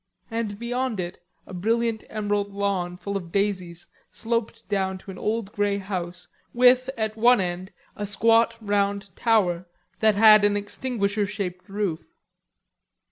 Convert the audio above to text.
And beyond it a brilliant emerald lawn full of daisies sloped down to an old grey house with, at one end, a squat round tower that had an extinguisher shaped roof.